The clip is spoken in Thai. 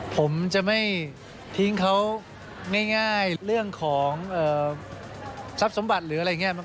ผมจะไม่ทิ้งเขาง่ายเรื่องของทรัพย์สมบัติหรืออะไรอย่างนี้